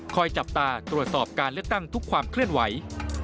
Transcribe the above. จับตาตรวจสอบการเลือกตั้งทุกความเคลื่อนไหว